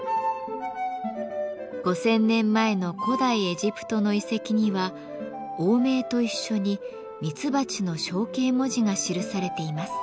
５，０００年前の古代エジプトの遺跡には王名と一緒にミツバチの象形文字が記されています。